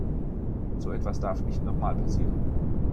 So etwas darf nicht noch mal passieren.